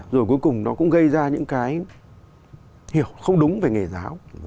rồi cuối cùng nó cũng gây ra những cái hiểu không đúng về nghề giáo